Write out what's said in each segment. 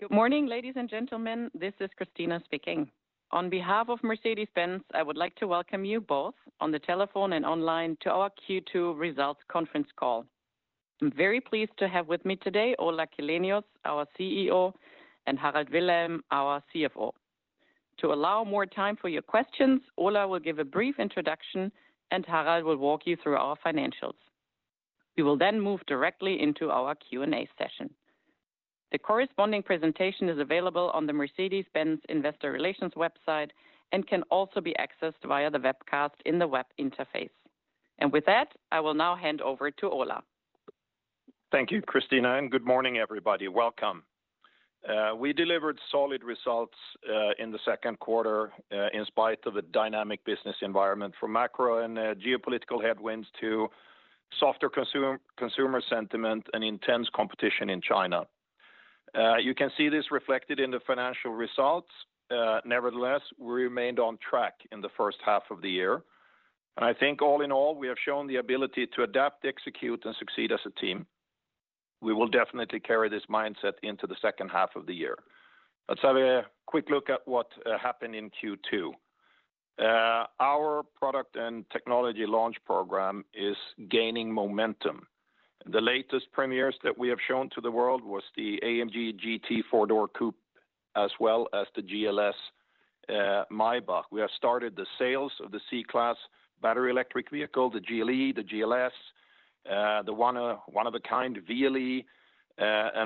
Good morning, ladies and gentlemen. This is Christina speaking. On behalf of Mercedes-Benz, I would like to welcome you both on the telephone and online to our Q2 results conference call. I am very pleased to have with me today Ola Källenius, our CEO, and Harald Wilhelm, our CFO. To allow more time for your questions, Ola will give a brief introduction. Harald will walk you through our financials. We will then move directly into our Q&A session. The corresponding presentation is available on the Mercedes-Benz investor relations website and can also be accessed via the webcast in the web interface. With that, I will now hand over to Ola. Thank you, Christina. Good morning, everybody. Welcome. We delivered solid results in the second quarter in spite of the dynamic business environment, from macro and geopolitical headwinds to softer consumer sentiment and intense competition in China. You can see this reflected in the financial results. Nevertheless, we remained on track in the first half of the year. I think all in all, we have shown the ability to adapt, execute, and succeed as a team. We will definitely carry this mindset into the second half of the year. Let us have a quick look at what happened in Q2. Our product and technology launch program is gaining momentum. The latest premieres that we have shown to the world was the AMG GT 4-Door Coupé, as well as the GLS Maybach. We have started the sales of the C-Class battery electric vehicle, the GLE, the GLS, the one-of-a-kind VLE.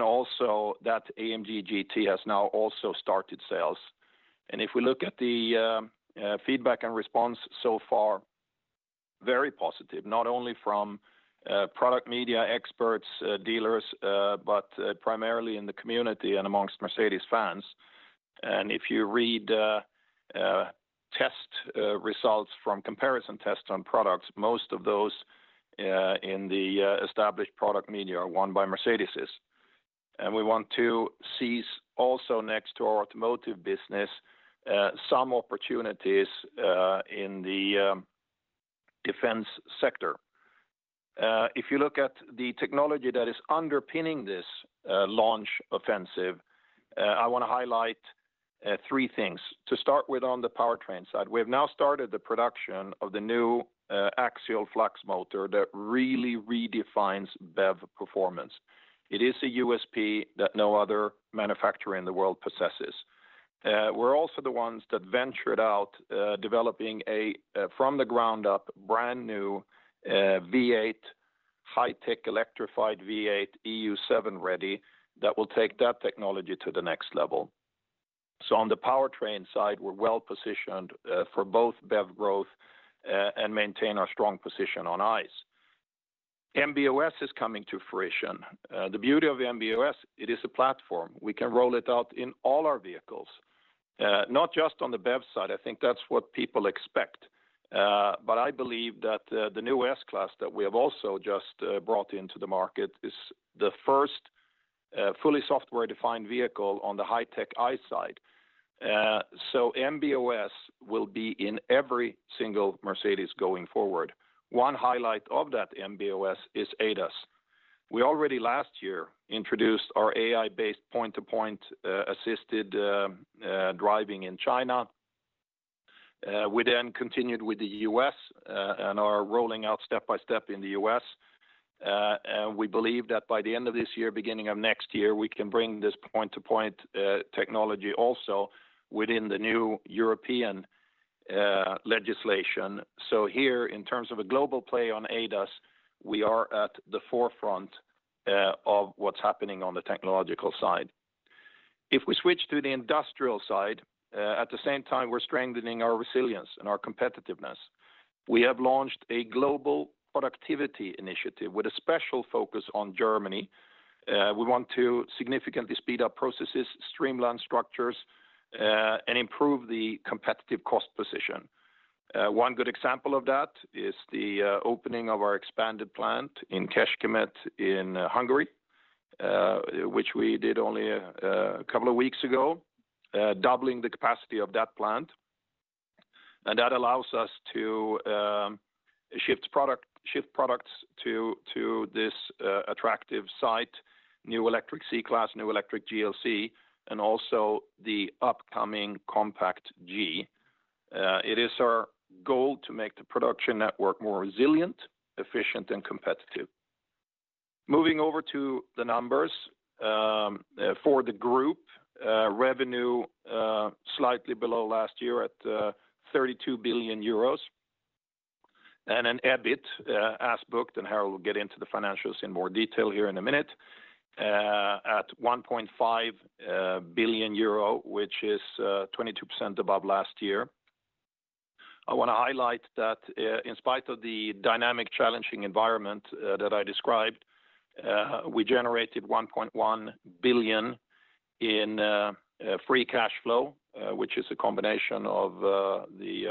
Also that AMG GT has now also started sales. If we look at the feedback and response so far, very positive, not only from product media experts, dealers, but primarily in the community and amongst Mercedes fans. If you read test results from comparison tests on products, most of those in the established product media are won by Mercedes. We want to seize also next to our automotive business, some opportunities in the defense sector. If you look at the technology that is underpinning this launch offensive, I want to highlight three things. To start with on the powertrain side, we have now started the production of the new axial-flux motor that really redefines BEV performance. It is a USP that no other manufacturer in the world possesses. We are also the ones that ventured out, developing a from-the-ground-up, brand-new, high-tech electrified V8, EU7-ready, that will take that technology to the next level. On the powertrain side, we are well positioned for both BEV growth and maintain our strong position on ICE. MB.OS is coming to fruition. The beauty of MB.OS, it is a platform. We can roll it out in all our vehicles, not just on the BEV side. I think that is what people expect. I believe that the new S-Class that we have also just brought into the market is the first fully software-defined vehicle on the high-tech ICE side. MB.OS will be in every single Mercedes going forward. One highlight of that MB.OS is ADAS. We already last year introduced our AI-based point-to-point assisted driving in China. We continued with the U.S. and are rolling out step by step in the U.S. We believe that by the end of this year, beginning of next year, we can bring this point-to-point technology also within the new European legislation. Here, in terms of a global play on ADAS, we are at the forefront of what's happening on the technological side. We switch to the industrial side, at the same time, we're strengthening our resilience and our competitiveness. We have launched a global productivity initiative with a special focus on Germany. We want to significantly speed up processes, streamline structures, and improve the competitive cost position. One good example of that is the opening of our expanded plant in Kecskemét in Hungary, which we did only a couple of weeks ago, doubling the capacity of that plant. That allows us to shift products to this attractive site: new electric C-Class, new electric GLC, and also the upcoming compact G. It is our goal to make the production network more resilient, efficient, and competitive. Moving over to the numbers. For the group, revenue slightly below last year at 32 billion euros. An EBIT as booked, and Harald will get into the financials in more detail here in a minute, at 1.5 billion euro, which is 22% above last year. I want to highlight that in spite of the dynamic, challenging environment that I described, we generated 1.1 billion in free cash flow, which is a combination of the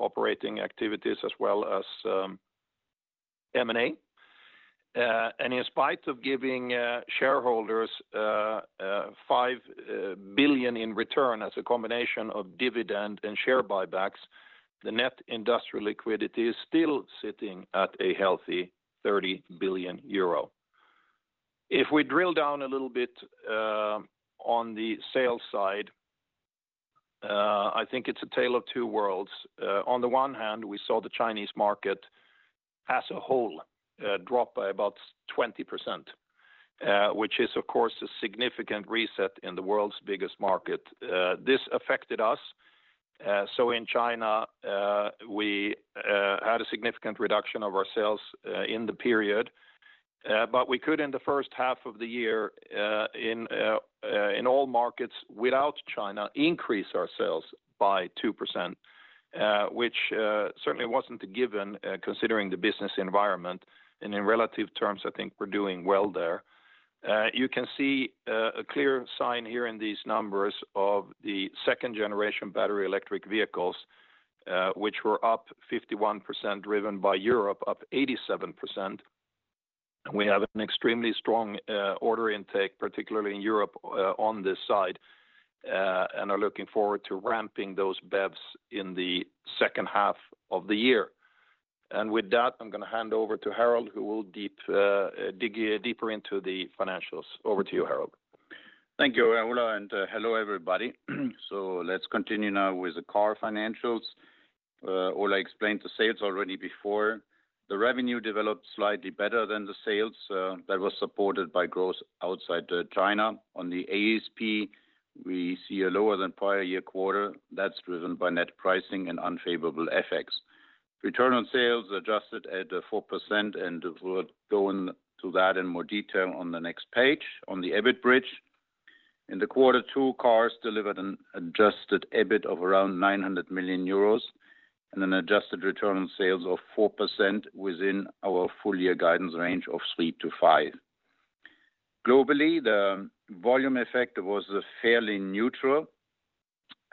operating activities as well as M&A. In spite of giving shareholders 5 billion in return as a combination of dividend and share buybacks, the net industrial liquidity is still sitting at a healthy 30 billion euro. We drill down a little bit on the sales side I think it's a tale of two worlds. On the one hand, we saw the Chinese market as a whole drop by about 20%, which is, of course, a significant reset in the world's biggest market. This affected us. In China, we had a significant reduction of our sales in the period. We could, in the first half of the year, in all markets without China, increase our sales by 2%, which certainly wasn't a given considering the business environment. In relative terms, I think we're doing well there. You can see a clear sign here in these numbers of the second generation battery electric vehicles, which were up 51%, driven by Europe, up 87%. We have an extremely strong order intake, particularly in Europe, on this side, and are looking forward to ramping those BEVs in the second half of the year. With that, I'm going to hand over to Harald, who will dig deeper into the financials. Over to you, Harald. Thank you, Ola. Hello, everybody. Let's continue now with the car financials. Ola explained the sales already before. The revenue developed slightly better than the sales. That was supported by growth outside China. On the ASP, we see a lower than prior year quarter that's driven by net pricing and unfavorable FX. Return on sales adjusted at 4%. We'll go into that in more detail on the next page. On the EBIT bridge. In the quarter two, cars delivered an adjusted EBIT of around 900 million euros and an adjusted return on sales of 4% within our full year guidance range of 3%-5%. Globally, the volume effect was fairly neutral.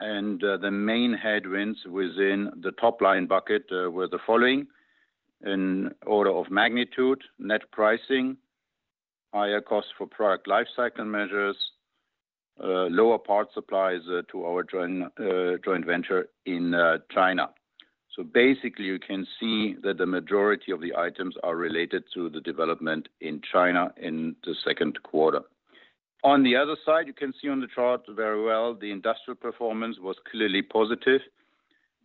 The main headwinds within the top-line bucket were the following. In order of magnitude, net pricing, higher cost for product life cycle measures, lower part supplies to our joint venture in China. Basically, you can see that the majority of the items are related to the development in China in the second quarter. On the other side, you can see on the chart very well the industrial performance was clearly positive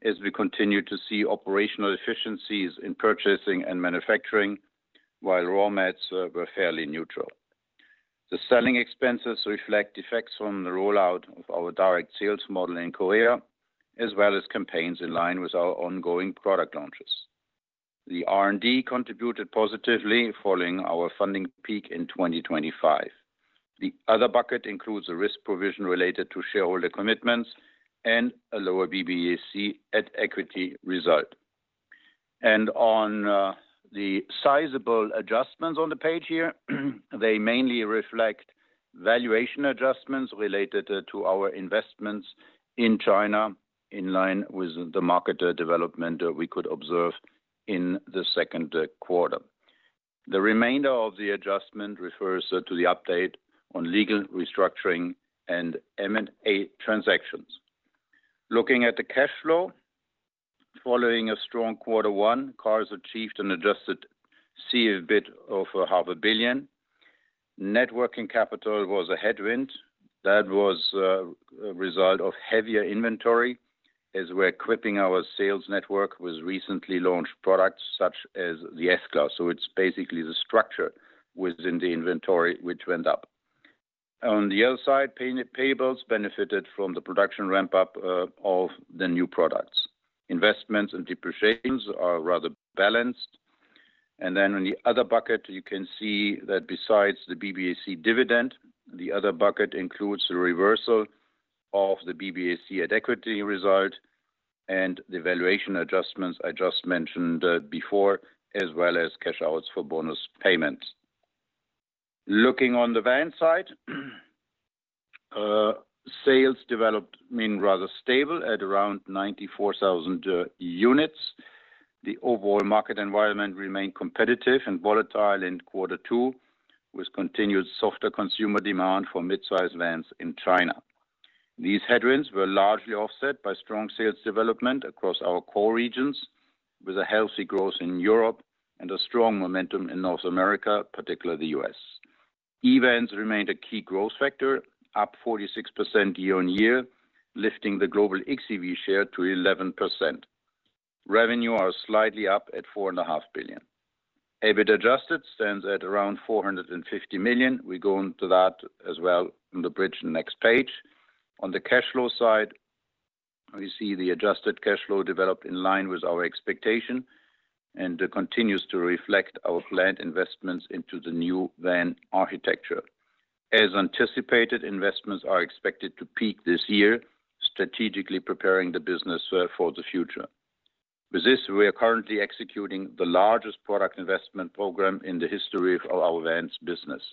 as we continue to see operational efficiencies in purchasing and manufacturing, while raw mats were fairly neutral. The selling expenses reflect the effects from the rollout of our direct sales model in Korea, as well as campaigns in line with our ongoing product launches. The R&D contributed positively following our funding peak in 2025. The other bucket includes a risk provision related to shareholder commitments and a lower BBAC at equity result. On the sizable adjustments on the page here, they mainly reflect valuation adjustments related to our investments in China in line with the market development we could observe in the second quarter. The remainder of the adjustment refers to the update on legal restructuring and M&A transactions. Looking at the cash flow. Following a strong quarter one, cars achieved an adjusted CFBIT of over 500 million. Networking capital was a headwind. That was a result of heavier inventory as we're equipping our sales network with recently launched products such as the S-Class. It's basically the structure within the inventory, which went up. On the other side, payables benefited from the production ramp-up of the new products. Investments and depreciations are rather balanced. On the other bucket, you can see that besides the BBAC dividend, the other bucket includes the reversal of the BBAC at equity result and the valuation adjustments I just mentioned before, as well as cash outs for bonus payments. Looking on the van side, sales developed rather stable at around 94,000 units. The overall market environment remained competitive and volatile in quarter two, with continued softer consumer demand for midsize vans in China. These headwinds were largely offset by strong sales development across our core regions, with a healthy growth in Europe and a strong momentum in North America, particularly the U.S. E-vans remained a key growth factor, up 46% year-on-year, lifting the global xEV share to 11%. Revenue are slightly up at 4.5 billion. EBIT adjusted stands at around 450 million. We go into that as well in the bridge next page. On the cash flow side, we see the adjusted cash flow developed in line with our expectation and continues to reflect our planned investments into the new van architecture. As anticipated, investments are expected to peak this year, strategically preparing the business for the future. With this, we are currently executing the largest product investment program in the history of our vans business.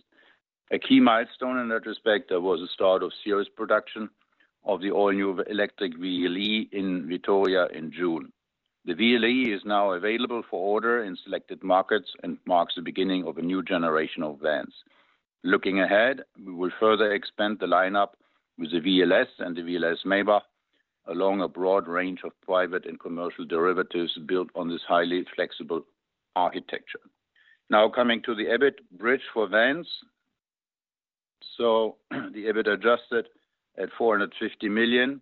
A key milestone in that respect was the start of series production of the all-new electric VLE in Vitoria in June. The VLE is now available for order in selected markets and marks the beginning of a new generation of vans. Looking ahead, we will further expand the lineup with the VLS and the VLS Maybach along a broad range of private and commercial derivatives built on this highly flexible architecture. Coming to the EBIT bridge for vans. The EBIT adjusted at 450 million.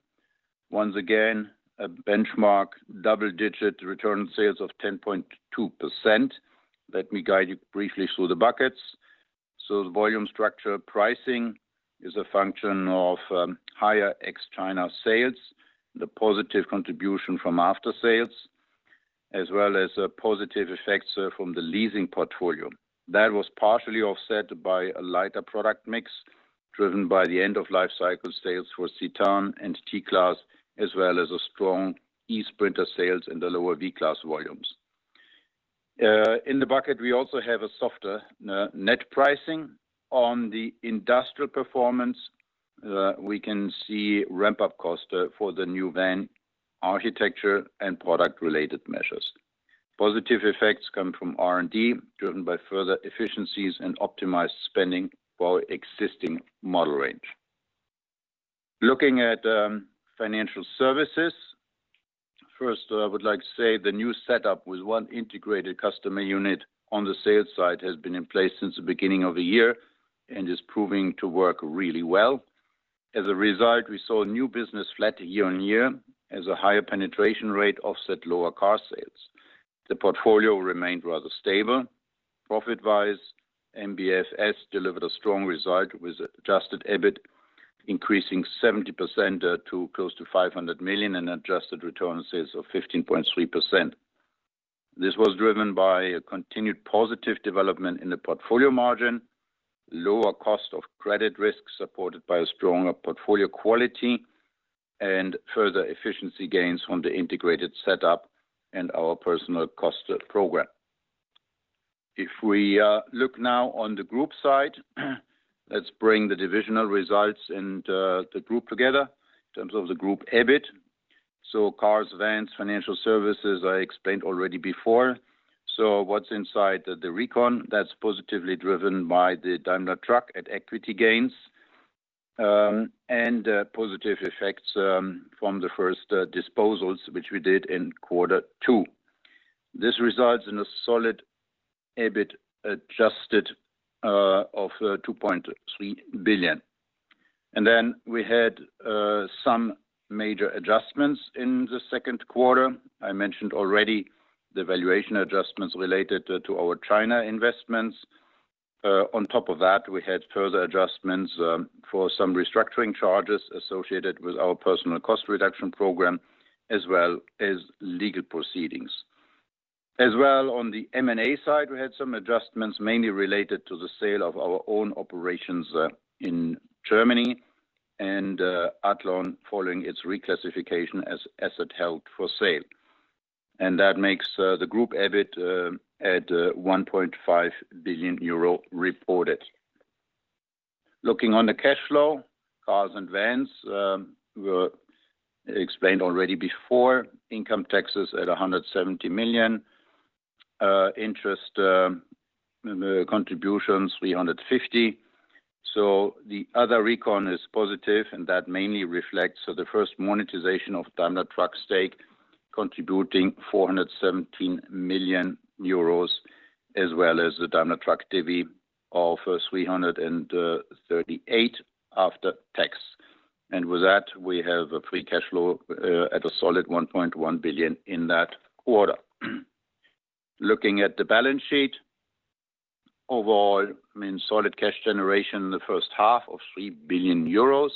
Once again, a benchmark double-digit return sales of 10.2%. Let me guide you briefly through the buckets. The volume structure pricing is a function of higher ex-China sales, the positive contribution from after-sales, as well as positive effects from the leasing portfolio. That was partially offset by a lighter product mix, driven by the end-of-life cycle sales for Citan and T-Class, as well as a strong eSprinter sales in the lower V-Class volumes. In the bucket, we also have a softer net pricing. On the industrial performance, we can see ramp-up cost for the new van architecture and product-related measures. Positive effects come from R&D, driven by further efficiencies and optimized spending for existing model range. Looking at financial services, first, I would like to say the new setup with one integrated customer unit on the sales side has been in place since the beginning of the year and is proving to work really well. As a result, we saw new business flat year-on-year as a higher penetration rate offset lower car sales. The portfolio remained rather stable. Profit-wise, MBFS delivered a strong result with adjusted EBIT increasing 70% to close to 500 million and adjusted return sales of 15.3%. This was driven by a continued positive development in the portfolio margin, lower cost of credit risk supported by a stronger portfolio quality, and further efficiency gains from the integrated setup and our personal cost program. If we look on the group side, let's bring the divisional results and the group together in terms of the group EBIT. Cars, vans, financial services, I explained already before. What's inside the recon? That's positively driven by the Daimler Truck at-equity gains, and positive effects from the first disposals, which we did in quarter two. This results in a solid EBIT adjusted of 2.3 billion. Then we had some major adjustments in the second quarter. I mentioned already the valuation adjustments related to our China investments. On top of that, we had further adjustments for some restructuring charges associated with our personal cost reduction program, as well as legal proceedings. On the M&A side, we had some adjustments mainly related to the sale of our own operations in Germany and Athlon following its reclassification as asset held for sale. That makes the group EBIT at 1.5 billion euro reported. Looking on the cash flow, cars and vans were explained already before. Income taxes at 170 million. Interest contributions 350 million. The other recon is positive, and that mainly reflects the first monetization of Daimler Truck stake, contributing 417 million euros, as well as the Daimler Truck divi of 338 million after tax. With that, we have a free cash flow at a solid 1.1 billion in that quarter. Looking at the balance sheet. Overall, solid cash generation in the first half of 3 billion euros.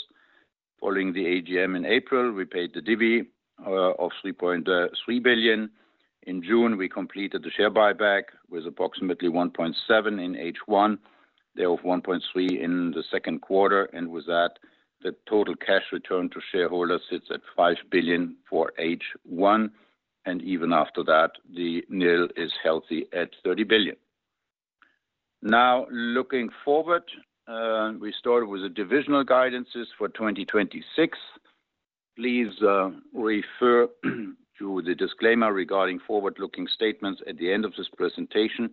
Following the AGM in April, we paid the divi of 3.3 billion. In June, we completed the share buyback with approximately 1.7 billion in H1, there of 1.3 billion in the second quarter. With that, the total cash return to shareholders sits at 5 billion for H1. Even after that, the NIL is healthy at 30 billion. Looking forward, we start with the divisional guidances for 2026. Please refer to the disclaimer regarding forward-looking statements at the end of this presentation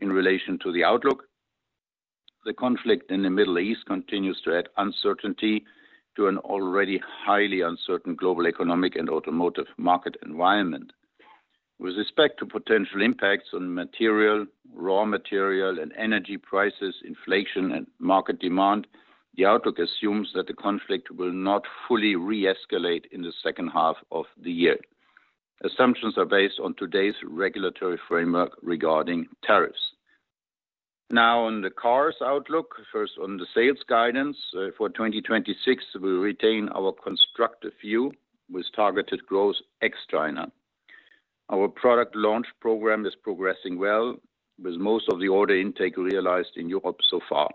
in relation to the outlook. The conflict in the Middle East continues to add uncertainty to an already highly uncertain global economic and automotive market environment. With respect to potential impacts on material, raw material, and energy prices, inflation, and market demand, the outlook assumes that the conflict will not fully re-escalate in the second half of the year. Assumptions are based on today's regulatory framework regarding tariffs. On the Cars outlook. First, on the sales guidance for 2026, we retain our constructive view with targeted growth ex-China. Our product launch program is progressing well, with most of the order intake realized in Europe so far.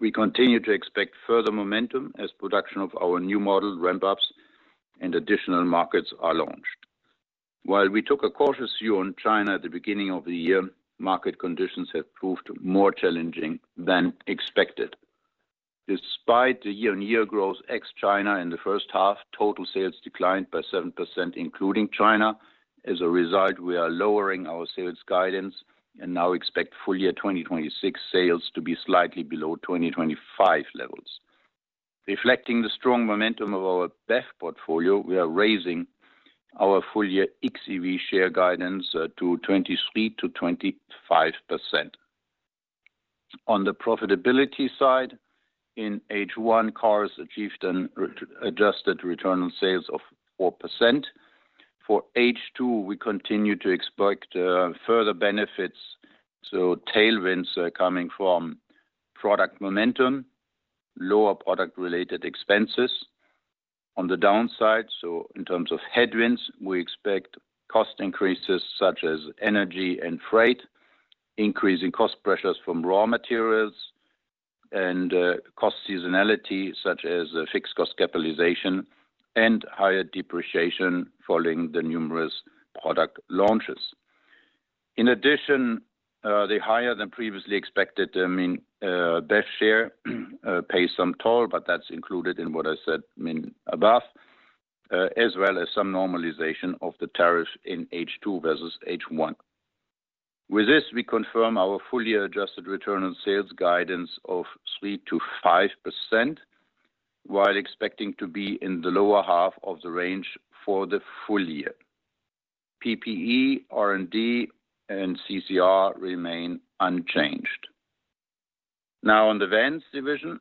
We continue to expect further momentum as production of our new model ramp-ups and additional markets are launched. While we took a cautious view on China at the beginning of the year, market conditions have proved more challenging than expected. Despite the year-on-year growth ex-China in the first half, total sales declined by 7%, including China. As a result, we are lowering our sales guidance and now expect full-year 2026 sales to be slightly below 2025 levels. Reflecting the strong momentum of our BEV portfolio, we are raising our full-year xEV share guidance to 23%-25%. On the profitability side, in H1, cars achieved an adjusted return on sales of 4%. For H2, we continue to expect further benefits, so tailwinds are coming from product momentum, lower product-related expenses. On the downside, so in terms of headwinds, we expect cost increases such as energy and freight, increasing cost pressures from raw materials, and cost seasonality such as fixed cost capitalization and higher depreciation following the numerous product launches. In addition, the higher than previously expected BEV share pays some toll, but that's included in what I said above, as well as some normalization of the tariff in H2 versus H1. With this, we confirm our full-year adjusted return on sales guidance of 3%-5%, while expecting to be in the lower half of the range for the full year. PPE, R&D, and CCR remain unchanged. On the Vans division,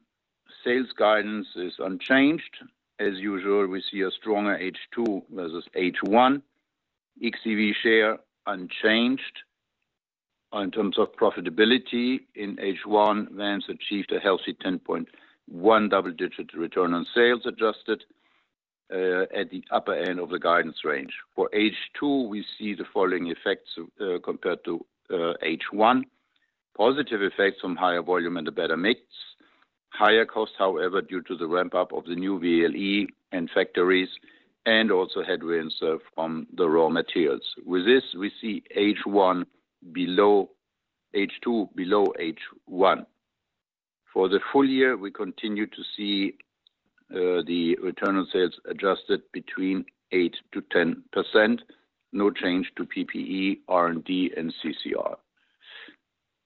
sales guidance is unchanged. As usual, we see a stronger H2 versus H1, xEV share unchanged. In terms of profitability, in H1, Vans achieved a healthy 10.1% double-digit return on sales adjusted, at the upper end of the guidance range. For H2, we see the following effects compared to H1. Positive effects from higher volume and a better mix. Higher costs, however, due to the ramp-up of the new VLE and factories, and also headwinds on the raw materials. With this, we see H2 below H1. For the full year, we continue to see the return on sales adjusted between 8%-10%. No change to PPE, R&D, and CCR.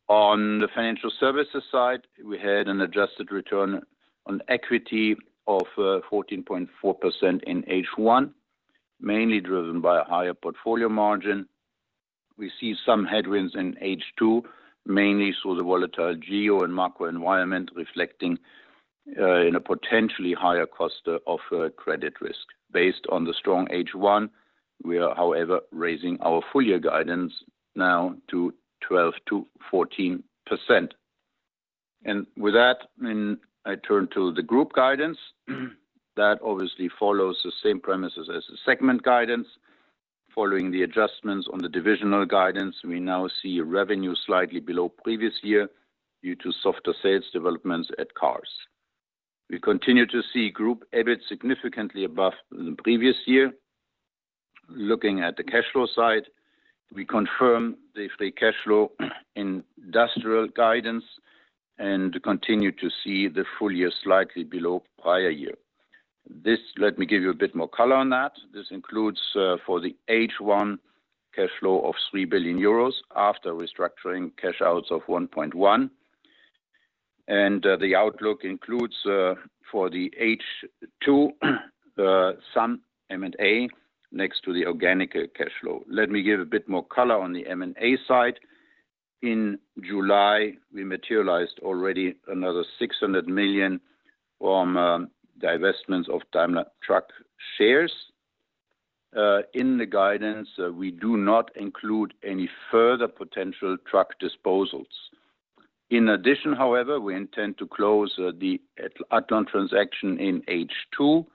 On the financial services side, we had an adjusted return on equity of 14.4% in H1, mainly driven by a higher portfolio margin. We see some headwinds in H2, mainly through the volatile geo and macro environment, reflecting in a potentially higher cost of credit risk. Based on the strong H1, we are, however, raising our full-year guidance now to 12%-14%. With that, I turn to the group guidance. That obviously follows the same premises as the segment guidance. Following the adjustments on the divisional guidance, we now see revenue slightly below previous year due to softer sales developments at cars. We continue to see group EBIT significantly above the previous year. Looking at the cash flow side, we confirm the free cash flow in industrial guidance and continue to see the full year slightly below prior year. Let me give you a bit more color on that. This includes for the H1 cash flow of 3 billion euros after restructuring cash outs of 1.1 billion. The outlook includes for the H2, some M&A next to the organic cash flow. Let me give a bit more color on the M&A side. In July, we materialized already another 600 million from divestments of Daimler Truck shares. In the guidance, we do not include any further potential truck disposals. In addition, however, we intend to close the Athlon transaction in H2,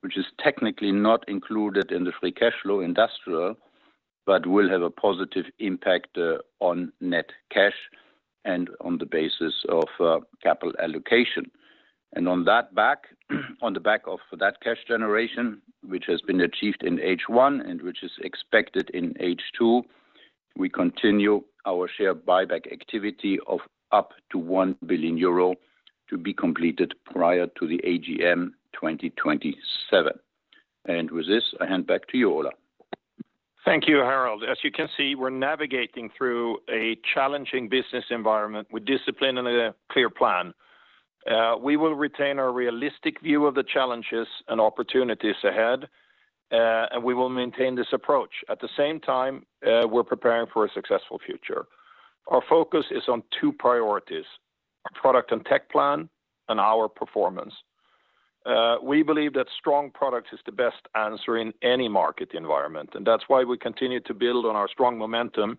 which is technically not included in the free cash flow industrial, but will have a positive impact on net cash and on the basis of capital allocation. On the back of that cash generation, which has been achieved in H1 and which is expected in H2, we continue our share buyback activity of up to 1 billion euro to be completed prior to the AGM 2027. With this, I hand back to you, Ola. Thank you, Harald. As you can see, we're navigating through a challenging business environment with discipline and a clear plan. We will retain our realistic view of the challenges and opportunities ahead, and we will maintain this approach. At the same time, we're preparing for a successful future. Our focus is on two priorities, our product and tech plan and our performance. We believe that strong products is the best answer in any market environment, and that's why we continue to build on our strong momentum.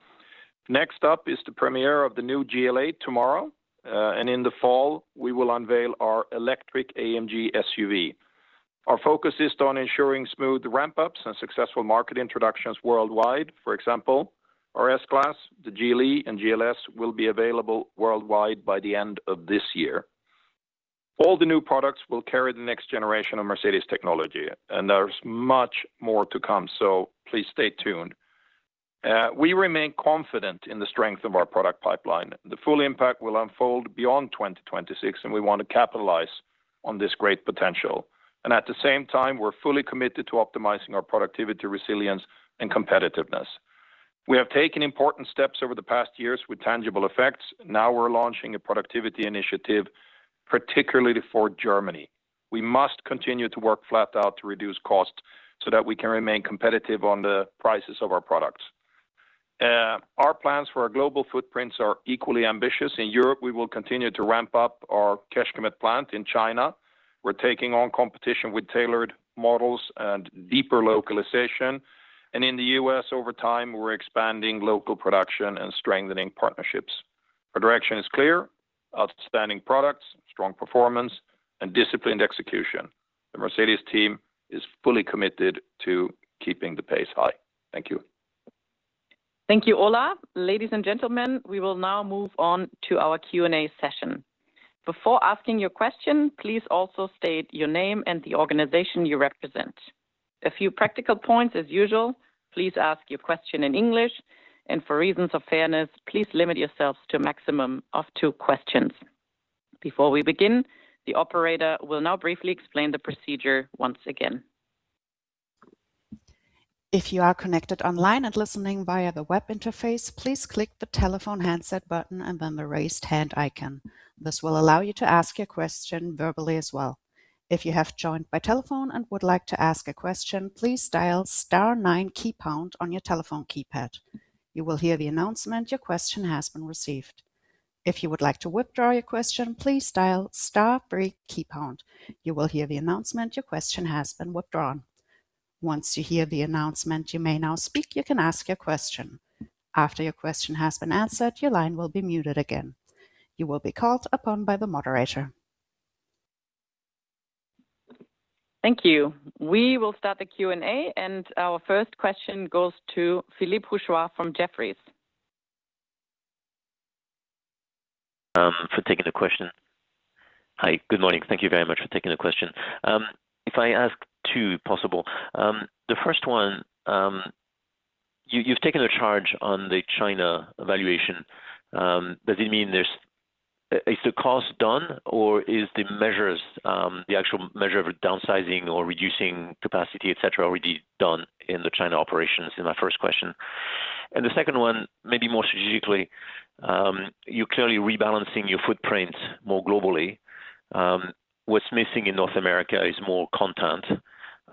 Next up is the premiere of the new GLA tomorrow, in the fall, we will unveil our electric AMG SUV. Our focus is on ensuring smooth ramp-ups and successful market introductions worldwide. For example, our S-Class, the GLE, and GLS will be available worldwide by the end of this year. All the new products will carry the next generation of Mercedes technology, there's much more to come. Please stay tuned. We remain confident in the strength of our product pipeline. The full impact will unfold beyond 2026, we want to capitalize on this great potential. At the same time, we're fully committed to optimizing our productivity, resilience, and competitiveness. We have taken important steps over the past years with tangible effects. Now we're launching a productivity initiative for Germany. We must continue to work flat out to reduce costs so that we can remain competitive on the prices of our products. Our plans for our global footprints are equally ambitious. In Europe, we will continue to ramp up our Kecskemét plant. In China, we're taking on competition with tailored models and deeper localization. In the U.S., over time, we're expanding local production and strengthening partnerships. Our direction is clear: outstanding products, strong performance, and disciplined execution. The Mercedes team is fully committed to keeping the pace high. Thank you. Thank you, Ola. Ladies and gentlemen, we will now move on to our Q&A session. Before asking your question, please also state your name and the organization you represent. A few practical points as usual, please ask your question in English, and for reasons of fairness, please limit yourselves to a maximum of two questions. Before we begin, the operator will now briefly explain the procedure once again. If you are connected online and listening via the web interface, please click the telephone handset button and then the raise hand icon. This will allow you to ask your question verbally as well. If you have joined by telephone and would like to ask a question, please dial star nine, key pound on your telephone keypad. You will hear the announcement your question has been received. If you would like to withdraw your question, please dial star three, key pound. You will hear the announcement your question has been withdrawn. Once you hear the announcement, "You may now speak," you can ask your question. After your question has been answered, your line will be muted again. You will be called upon by the moderator. Thank you. We will start the Q&A, our first question goes to Philippe Houchois from Jefferies. Hi. Good morning. Thank you very much for taking the question. If I ask two, possible. The first one, you've taken a charge on the China evaluation. Is the cost done, or is the actual measure of downsizing or reducing capacity, et cetera, already done in the China operations? Is my first question. The second one, maybe more strategically, you're clearly rebalancing your footprint more globally. What's missing in North America is more content.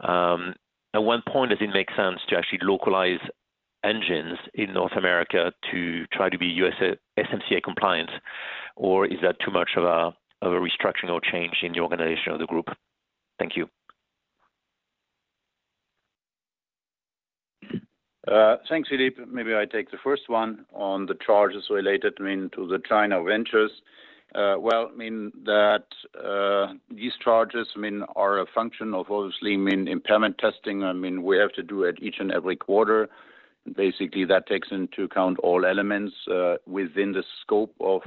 At what point does it make sense to actually localize engines in North America to try to be USMCA compliant? Is that too much of a structural change in the organization of the group? Thank you. Thanks, Philippe. Maybe I take the first one on the charges related to the China ventures. These charges are a function of, obviously, impairment testing. We have to do it each and every quarter. Basically, that takes into account all elements within the scope of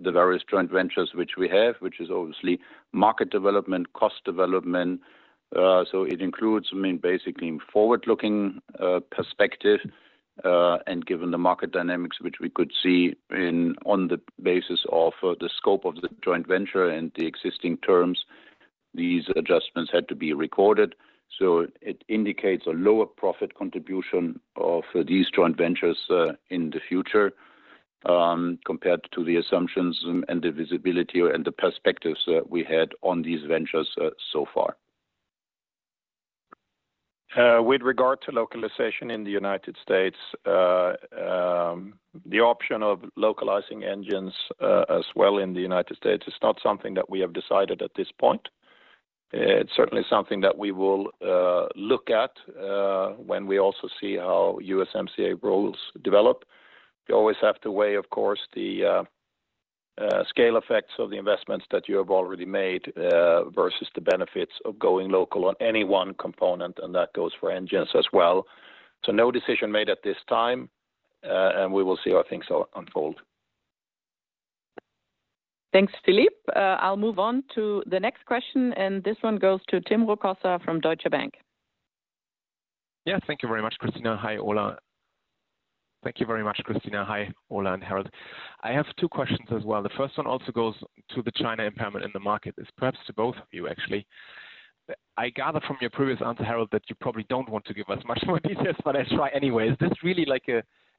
the various joint ventures which we have, which is obviously market development, cost development. It includes, basically, forward-looking perspective. Given the market dynamics, which we could see on the basis of the scope of the joint venture and the existing terms, these adjustments had to be recorded. It indicates a lower profit contribution of these joint ventures in the future, compared to the assumptions and the visibility or the perspectives that we had on these ventures so far. With regard to localization in the United States, the option of localizing engines as well in the United States is not something that we have decided at this point. It's certainly something that we will look at when we also see how USMCA rules develop. You always have to weigh, of course, the scale effects of the investments that you have already made, versus the benefits of going local on any one component, and that goes for engines as well. No decision made at this time, and we will see how things unfold. Thanks, Philippe. I'll move on to the next question, and this one goes to Tim Rokossa from Deutsche Bank. Thank you very much, Christina. Hi, Ola and Harald. I have two questions as well. The first one also goes to the China impairment in the market. It's perhaps to both of you, actually. I gather from your previous answer, Harald, that you probably don't want to give us much more details, but I'll try anyway. Is this really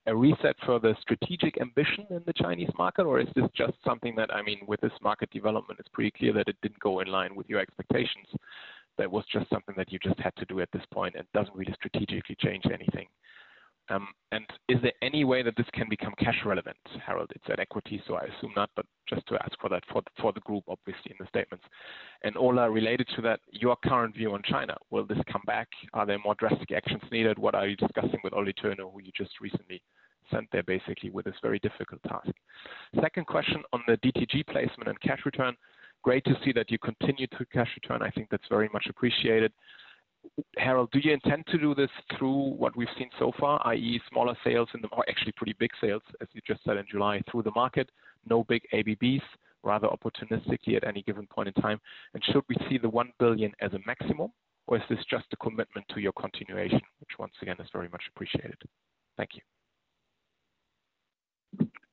a reset for the strategic ambition in the Chinese market, or is this just something that, with this market development, it's pretty clear that it didn't go in line with your expectations? That was just something that you just had to do at this point, and doesn't really strategically change anything. Is there any way that this can become cash relevant, Harald? It's at equity, so I assume not, but just to ask for that for the group, obviously, in the statements. Ola, related to that, your current view on China, will this come back? Are there more drastic actions needed? What are you discussing with Oli Turner, who you just recently sent there, basically, with this very difficult task? Second question on the DTG placement and cash return. Great to see that you continue to cash return. I think that's very much appreciated. Harald, do you intend to do this through what we've seen so far, i.e., smaller sales in the or actually pretty big sales, as you just said in July, through the market? No big ABBs, rather opportunistically at any given point in time. Should we see the 1 billion as a maximum, or is this just a commitment to your continuation? Which once again is very much appreciated. Thank you.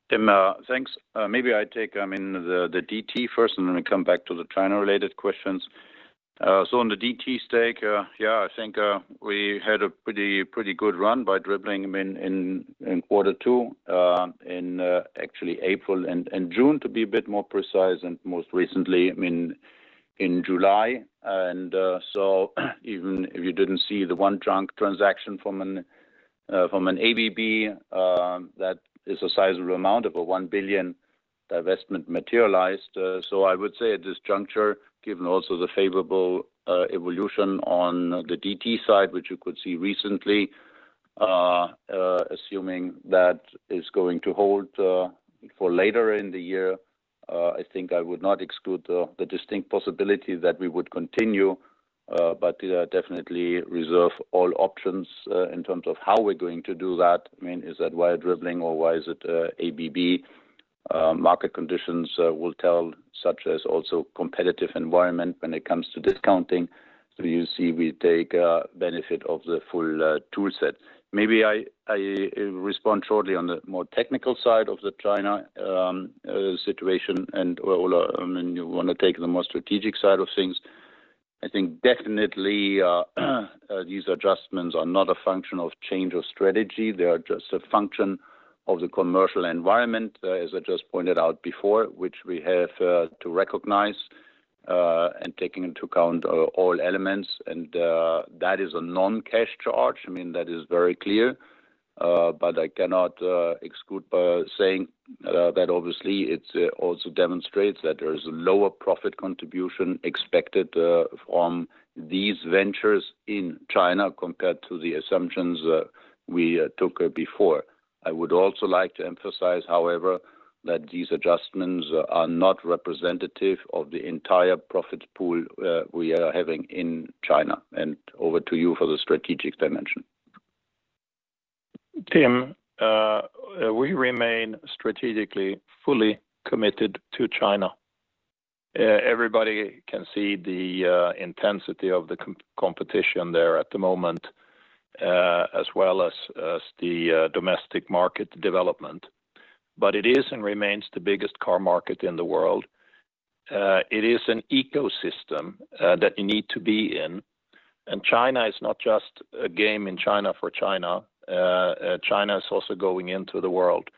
Tim, thanks. Maybe I take the DT first and then we come back to the China-related questions. On the DT stake, I think we had a pretty good run by dribbling in quarter two, in actually April and June to be a bit more precise, and most recently in July. Even if you didn't see the one transaction from an ABB, that is a sizable amount of a 1 billion divestment materialized. I would say at this juncture, given also the favorable evolution on the DT side, which you could see recently, assuming that is going to hold for later in the year, I think I would not exclude the distinct possibility that we would continue. Definitely reserve all options in terms of how we're going to do that. I mean, is that via dribbling or via ABB? Market conditions will tell, such as also competitive environment when it comes to discounting. You see, we take benefit of the full tool set. Maybe I respond shortly on the more technical side of the China situation and, Ola, you want to take the more strategic side of things. I think definitely these adjustments are not a function of change of strategy. They are just a function of the commercial environment, as I just pointed out before, which we have to recognize, and taking into account all elements, and that is a non-cash charge. That is very clear. I cannot exclude by saying that obviously it also demonstrates that there is a lower profit contribution expected from these ventures in China compared to the assumptions we took before. I would also like to emphasize, however, that these adjustments are not representative of the entire profit pool we are having in China, and over to you for the strategic dimension. Tim, we remain strategically fully committed to China. Everybody can see the intensity of the competition there at the moment, as well as the domestic market development. It is and remains the biggest car market in the world. It is an ecosystem that you need to be in, and China is not just a game in China for China. China is also going into the world.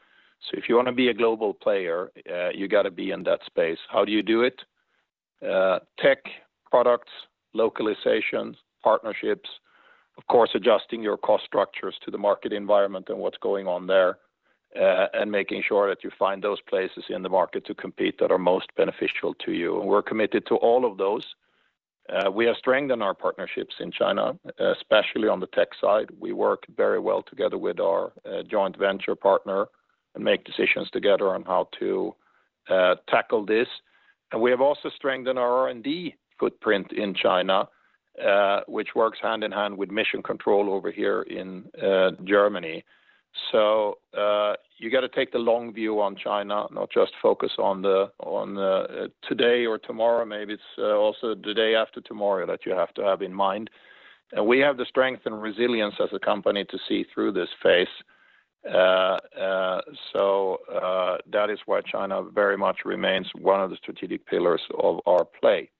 If you want to be a global player, you got to be in that space. How do you do it? Tech products, localizations, partnerships, of course, adjusting your cost structures to the market environment and what's going on there, and making sure that you find those places in the market to compete that are most beneficial to you. We're committed to all of those. We have strengthened our partnerships in China, especially on the tech side. We work very well together with our joint venture partner and make decisions together on how to tackle this. We have also strengthened our R&D footprint in China, which works hand in hand with mission control over here in Germany. You got to take the long view on China, not just focus on today or tomorrow. Maybe it's also the day after tomorrow that you have to have in mind. We have the strength and resilience as a company to see through this phase. That is why China very much remains one of the strategic pillars of our play.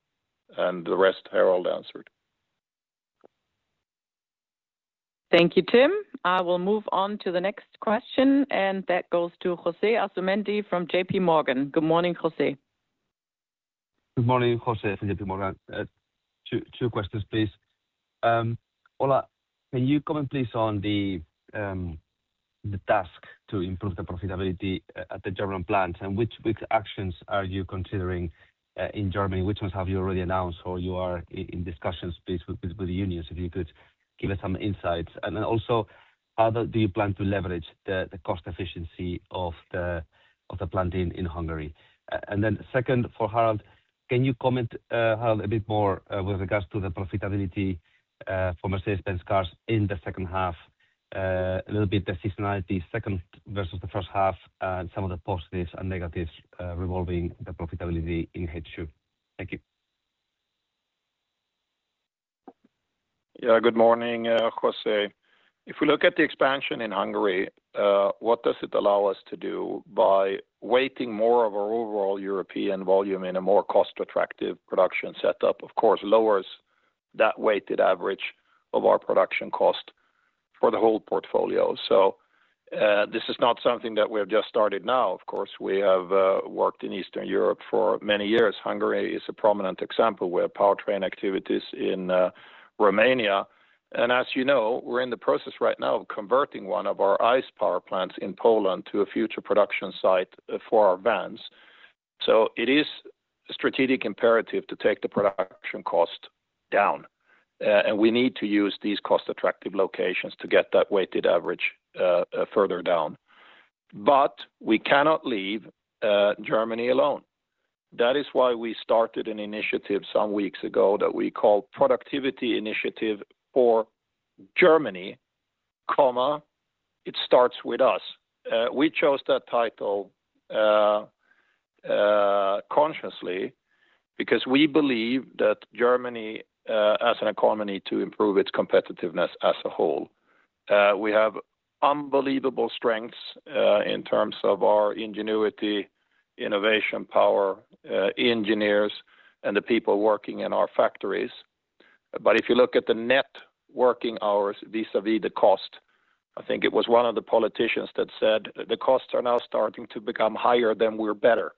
The rest Harald answered. Thank you, Tim. I will move on to the next question, That goes to José Asumendi from JPMorgan. Good morning, Jose. Good morning. José from JPMorgan. Two questions, please. Ola, can you comment please on the task to improve the profitability at the German plant, which actions are you considering in Germany? Which ones have you already announced, or you are in discussions, please, with the unions, if you could give us some insights. Also, how do you plan to leverage the cost efficiency of the plant in Hungary? Second for Harald, can you comment, Harald, a bit more with regards to the profitability for Mercedes-Benz cars in the second half, a little bit the seasonality second versus the first half, and some of the positives and negatives revolving the profitability in H2. Thank you. Good morning, José. If we look at the expansion in Hungary, what does it allow us to do by weighting more of our overall European volume in a more cost-attractive production setup? Of course, lowers that weighted average of our production cost for the whole portfolio. This is not something that we have just started now. Of course, we have worked in Eastern Europe for many years. Hungary is a prominent example. We have powertrain activities in Romania. As you know, we're in the process right now of converting one of our ICE power plants in Poland to a future production site for our vans. It is a strategic imperative to take the production cost down. We need to use these cost-attractive locations to get that weighted average further down. We cannot leave Germany alone. That is why we started an initiative some weeks ago that we call Productivity Initiative for Germany, It Starts with Us. We chose that title because we believe that Germany has an economy to improve its competitiveness as a whole. We have unbelievable strengths in terms of our ingenuity, innovation power, engineers, and the people working in our factories. If you look at the net working hours vis-a-vis the cost, I think it was one of the politicians that said the costs are now starting to become higher than we're better.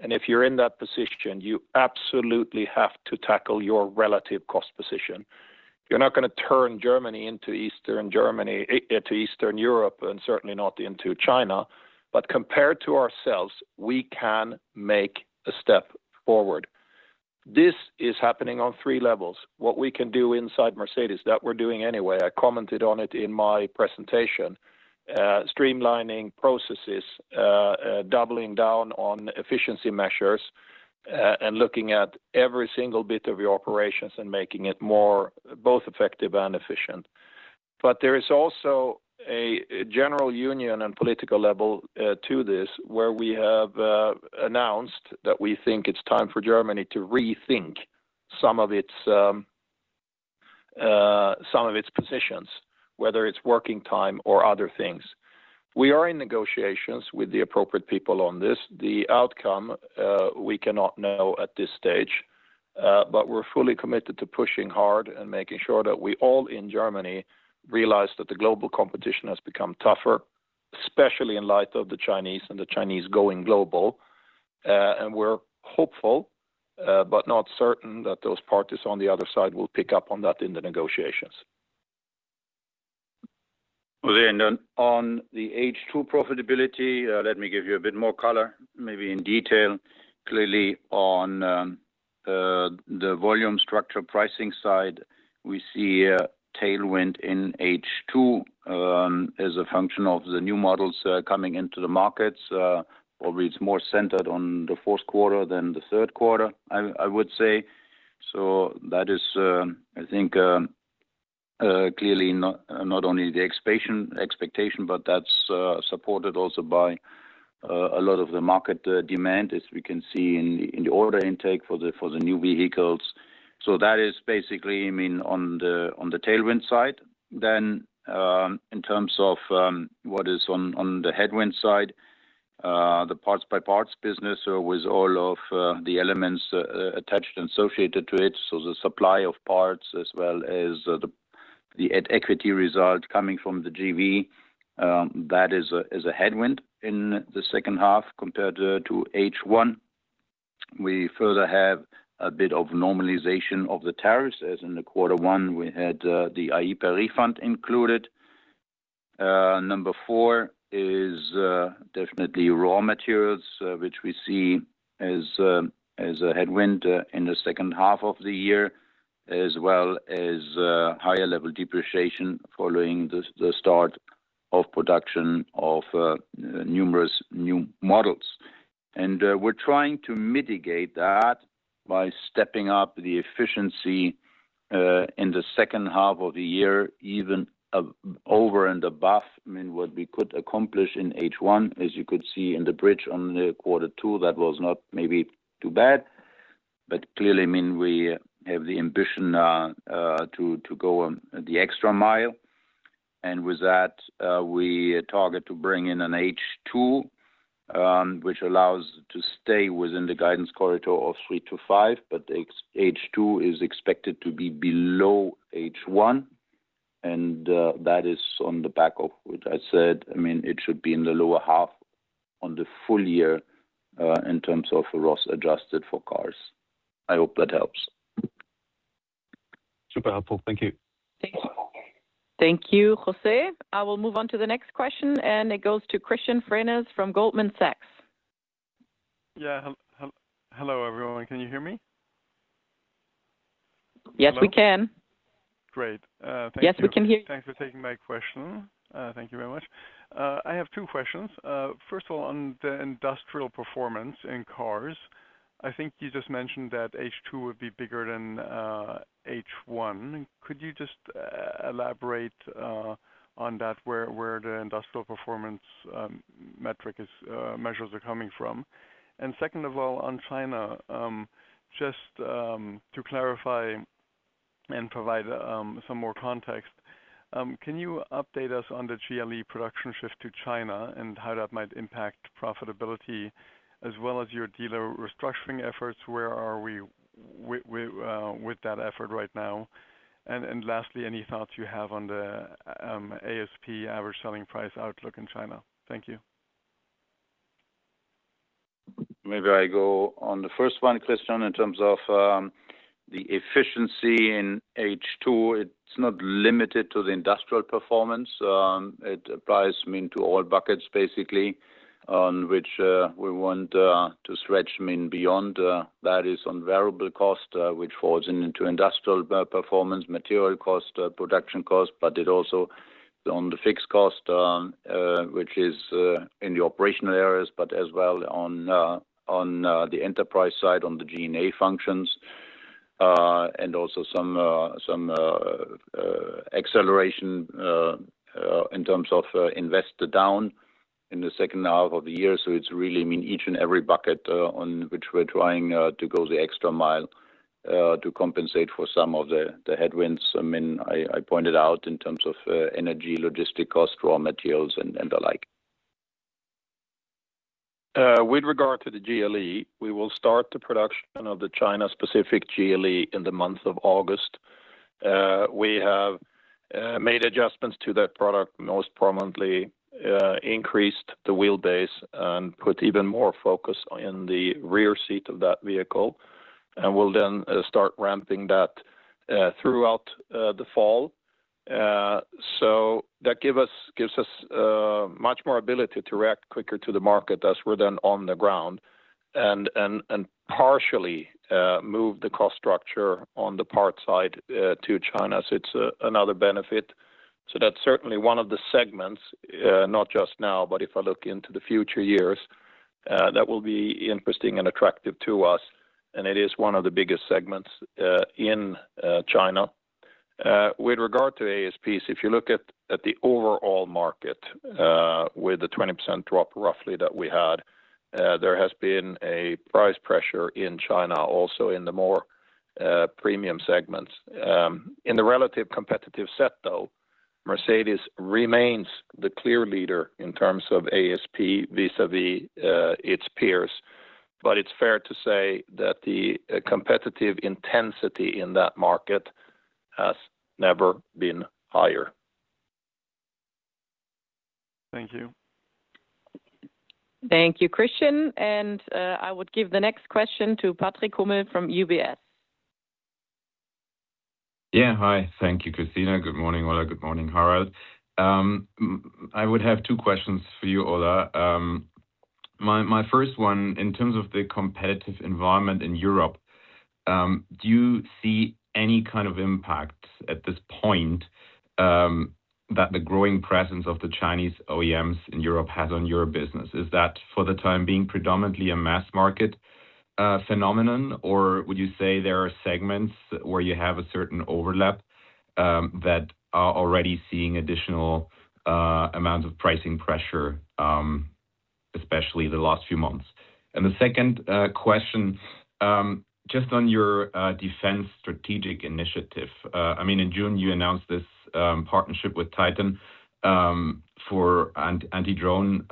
If you're in that position, you absolutely have to tackle your relative cost position. You're not going to turn Germany into Eastern Europe, and certainly not into China. Compared to ourselves, we can make a step forward. This is happening on three levels. What we can do inside Mercedes, that we're doing anyway, I commented on it in my presentation. Streamlining processes, doubling down on efficiency measures, and looking at every single bit of your operations and making it more both effective and efficient. There is also a general union and political level to this, where we have announced that we think it's time for Germany to rethink some of its positions, whether it's working time or other things. We are in negotiations with the appropriate people on this. The outcome we cannot know at this stage, but we're fully committed to pushing hard and making sure that we all in Germany realize that the global competition has become tougher, especially in light of the Chinese and the Chinese going global. We're hopeful, but not certain, that those parties on the other side will pick up on that in the negotiations. On the H2 profitability, let me give you a bit more color, maybe in detail. Clearly on the volume structure pricing side, we see a tailwind in H2, as a function of the new models coming into the markets. Probably it's more centered on the fourth quarter than the third quarter, I would say. That is, I think, clearly not only the expectation, but that's supported also by a lot of the market demand, as we can see in the order intake for the new vehicles. That is basically on the tailwind side. In terms of what is on the headwind side, the parts by parts business with all of the elements attached and associated to it, so the supply of parts as well as the equity result coming from the JV, that is a headwind in the second half compared to H1. We further have a bit of normalization of the tariffs, as in the quarter one we had the IEEPA refund included. Number four is definitely raw materials, which we see as a headwind in the second half of the year, as well as higher level depreciation following the start of production of numerous new models. We're trying to mitigate that by stepping up the efficiency, in the second half of the year, even over and above what we could accomplish in H1. As you could see in the bridge on the quarter two, that was not maybe too bad. Clearly, we have the ambition to go the extra mile. With that, we target to bring in an H2, which allows to stay within the guidance corridor of 3%-5%. H2 is expected to be below H1, and that is on the back of which I said, it should be in the lower half on the full year in terms of RoS adjusted for cars. I hope that helps. Super helpful. Thank you. Thank you, José adjusted for cars. I will move on to the next question, and it goes to Christian Frenes from Goldman Sachs. Yeah. Hello, everyone. Can you hear me? Yes, we can. Great. Thank you. Yes, we can hear you. Thanks for taking my question. Thank you very much. I have two questions. First of all, on the industrial performance in cars, I think you just mentioned that H2 would be bigger than H1. Could you just elaborate on that, where the industrial performance measures are coming from? Second of all, on China, just to clarify and provide some more context, can you update us on the GLE production shift to China and how that might impact profitability as well as your dealer restructuring efforts? Where are we with that effort right now? Lastly, any thoughts you have on the ASP, average selling price outlook in China? Thank you. Maybe I go on the first one, Christian, in terms of the efficiency in H2. It's not limited to the industrial performance. It applies to all buckets, basically, on which we want to stretch beyond. That is on variable cost, which falls into industrial performance, material cost, production cost, but it also on the fixed cost, which is in the operational areas, but as well on the enterprise side, on the G&A functions. Also some acceleration in terms of investment in the second half of the year. It's really, each and every bucket on which we're trying to go the extra mile to compensate for some of the headwinds. I pointed out in terms of energy logistics cost, raw materials, and the like. With regard to the GLE, we will start the production of the China-specific GLE in the month of August. We have made adjustments to that product, most prominently, increased the wheelbase and put even more focus in the rear seat of that vehicle. We will then start ramping that throughout the fall. That gives us much more ability to react quicker to the market as we are then on the ground and partially move the cost structure on the part side to China. It is another benefit. That is certainly one of the segments, not just now, but if I look into the future years, that will be interesting and attractive to us, and it is one of the biggest segments in China. With regard to ASPs, if you look at the overall market, with the 20% drop roughly that we had, there has been a price pressure in China also in the more premium segments. In the relative competitive set, though, Mercedes remains the clear leader in terms of ASP vis-a-vis its peers. It is fair to say that the competitive intensity in that market has never been higher. Thank you. Thank you, Christian. I would give the next question to Patrick Hummel from UBS. Hi. Thank you, Christina. Good morning, Ola. Good morning, Harald. I would have two questions for you, Ola. My first one, in terms of the competitive environment in Europe, do you see any kind of impact at this point, that the growing presence of the Chinese OEMs in Europe has on your business? Is that for the time being predominantly a mass market phenomenon, or would you say there are segments where you have a certain overlap, that are already seeing additional amounts of pricing pressure, especially the last few months? The second question, just on your defense strategic initiative. In June, you announced this partnership with TYTAN for anti-drone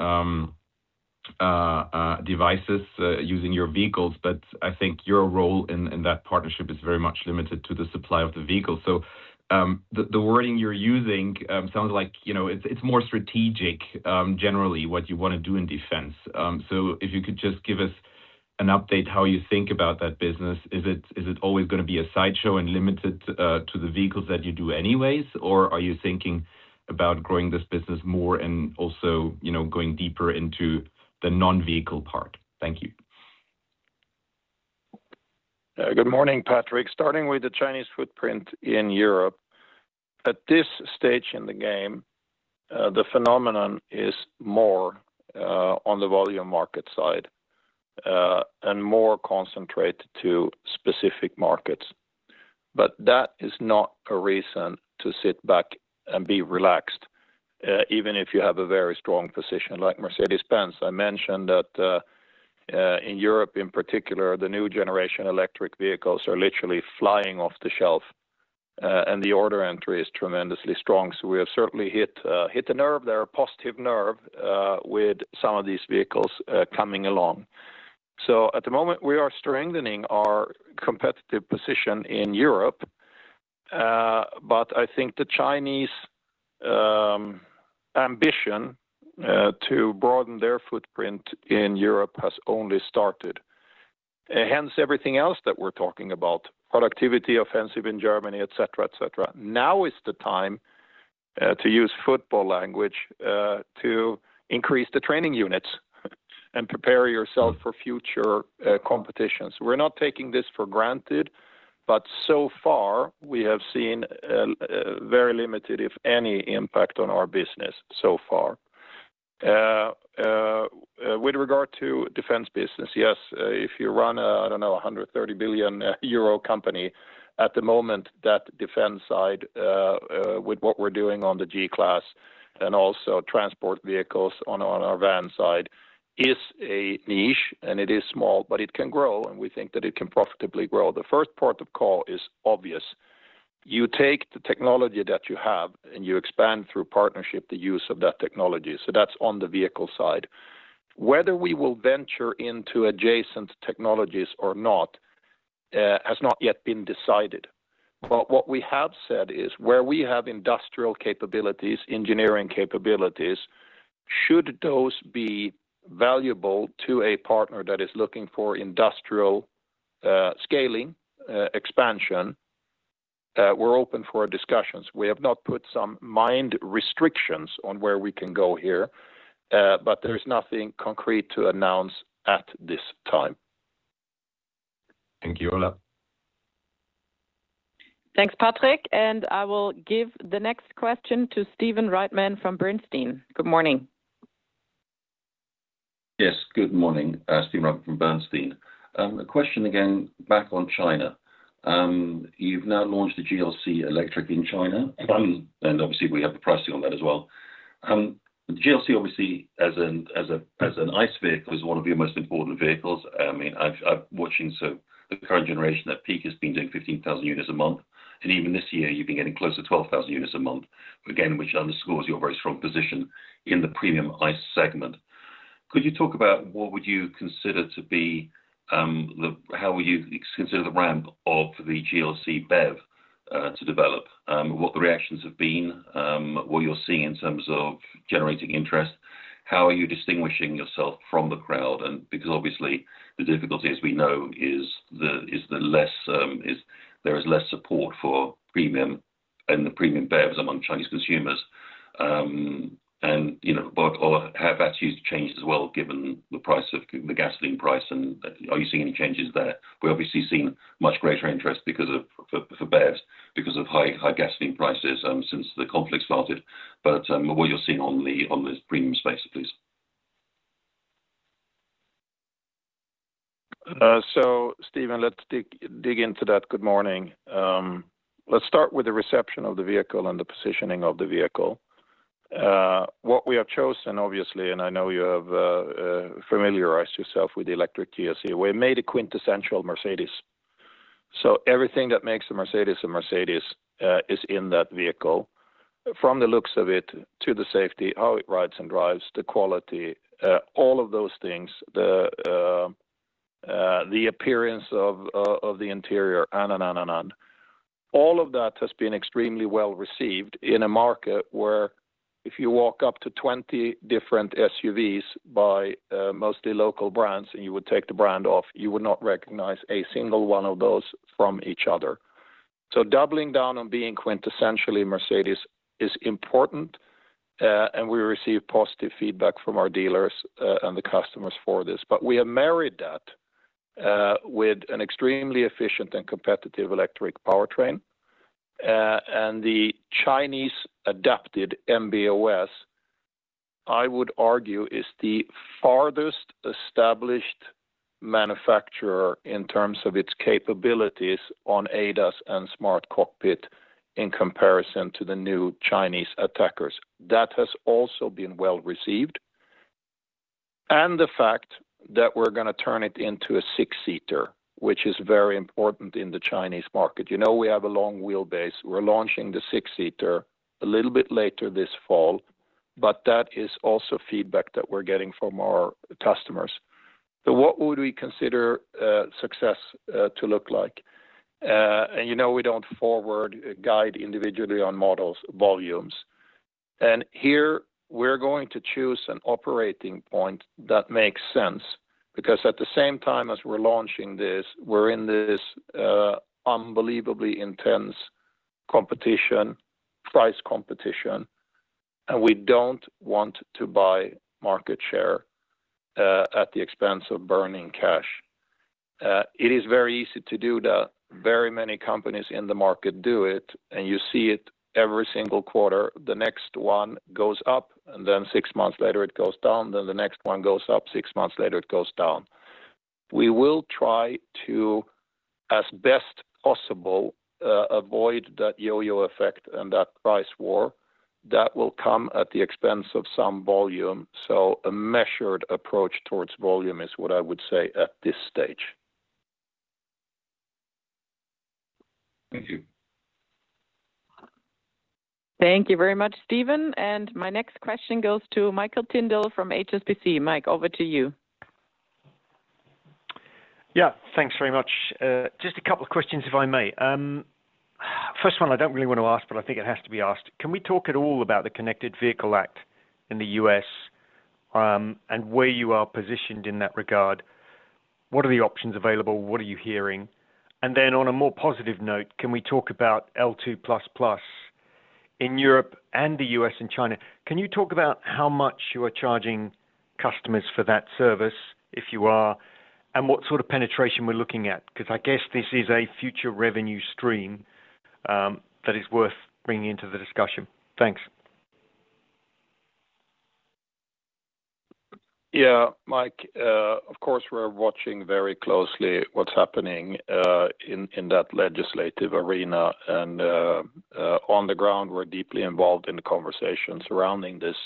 devices using your vehicles, but I think your role in that partnership is very much limited to the supply of the vehicle. The wording you're using sounds like it's more strategic, generally, what you want to do in defense. If you could just give us an update how you think about that business. Is it always going to be a sideshow and limited to the vehicles that you do anyways, or are you thinking about growing this business more and also going deeper into the non-vehicle part? Thank you. Good morning, Patrick. Starting with the Chinese footprint in Europe. At this stage in the game, the phenomenon is more on the volume market side, and more concentrated to specific markets. That is not a reason to sit back and be relaxed, even if you have a very strong position like Mercedes-Benz. I mentioned that, in Europe in particular, the new generation electric vehicles are literally flying off the shelf, and the order entry is tremendously strong. We have certainly hit the nerve there, a positive nerve, with some of these vehicles coming along. At the moment, we are strengthening our competitive position in Europe. I think the Chinese ambition to broaden their footprint in Europe has only started. Hence everything else that we're talking about, productivity, offensive in Germany, et cetera. Now is the time, to use football language, to increase the training units and prepare yourself for future competitions. We're not taking this for granted, but so far, we have seen very limited, if any, impact on our business so far. With regard to defense business, yes. If you run a, I don't know, 130 billion euro company, at the moment, that defense side, with what we're doing on the G-Class and also transport vehicles on our van side, is a niche and it is small, but it can grow, and we think that it can profitably grow. The first port of call is obvious. You take the technology that you have and you expand through partnership the use of that technology. That's on the vehicle side. Whether we will venture into adjacent technologies or not, has not yet been decided. What we have said is, where we have industrial capabilities, engineering capabilities, should those be valuable to a partner that is looking for industrial scaling, expansion, we're open for discussions. We have not put some mind restrictions on where we can go here. There is nothing concrete to announce at this time. Thank you, Ola. Thanks, Patrick. I will give the next question to Stephen Reitman from Bernstein. Good morning. Yes, good morning. Stephen Reitman from Bernstein. A question again back on China. You've now launched the GLC Electric in China, obviously we have the pricing on that as well. GLC, obviously, as an ICE vehicle, is one of your most important vehicles. I've been watching, so the current generation at peak has been doing 15,000 units a month. Even this year, you've been getting close to 12,000 units a month. Again, which underscores your very strong position in the premium ICE segment. Could you talk about what would you consider to be the ramp of the GLC BEV to develop? What the reactions have been, what you're seeing in terms of generating interest, how are you distinguishing yourself from the crowd? Because obviously the difficulty, as we know, is there is less support for premium and the premium BEVs among Chinese consumers. Have attitudes changed as well, given the gasoline price, and are you seeing any changes there? We're obviously seeing much greater interest for BEVs because of high gasoline prices since the conflict started. What you're seeing on the premium space, please. Stephen, let's dig into that. Good morning. Let's start with the reception of the vehicle and the positioning of the vehicle. What we have chosen, obviously, and I know you have familiarized yourself with the electric GLC, we made a quintessential Mercedes. Everything that makes a Mercedes a Mercedes is in that vehicle, from the looks of it, to the safety, how it rides and drives, the quality, all of those things, the appearance of the interior, on and on and on. All of that has been extremely well-received in a market where if you walk up to 20 different SUVs by mostly local brands, and you would take the brand off, you would not recognize a single one of those from each other. Doubling down on being quintessentially Mercedes is important, and we receive positive feedback from our dealers and the customers for this. We have married that with an extremely efficient and competitive electric powertrain. The Chinese-adapted MB.OS, I would argue, is the farthest established manufacturer in terms of its capabilities on ADAS and smart cockpit in comparison to the new Chinese attackers. That has also been well-received. The fact that we're going to turn it into a six-seater, which is very important in the Chinese market. You know we have a long wheelbase. We're launching the six-seater a little bit later this fall, that is also feedback that we're getting from our customers. What would we consider success to look like? You know we don't forward guide individually on models volumes. Here, we're going to choose an operating point that makes sense, because at the same time as we're launching this, we're in this unbelievably intense competition, price competition, and we don't want to buy market share at the expense of burning cash. It is very easy to do that. Very many companies in the market do it, and you see it every single quarter. The next one goes up, and then six months later it goes down, then the next one goes up, six months later it goes down. We will try to, as best possible, avoid that yo-yo effect and that price war. That will come at the expense of some volume. A measured approach towards volume is what I would say at this stage. Thank you. Thank you very much, Stephen. My next question goes to Michael Tyndall from HSBC. Mike, over to you. Yeah, thanks very much. Just a couple of questions, if I may. First one I don't really want to ask, but I think it has to be asked. Can we talk at all about the Connected Vehicle Act in the U.S., where you are positioned in that regard? What are the options available? What are you hearing? Then on a more positive note, can we talk about L2++ in Europe, the U.S., and China? Can you talk about how much you are charging customers for that service, if you are, what sort of penetration we're looking at? Because I guess this is a future revenue stream that is worth bringing into the discussion. Thanks. Yeah, Mike, of course we're watching very closely what's happening in that legislative arena, on the ground, we're deeply involved in the conversation surrounding this.